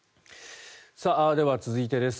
では、続いてです。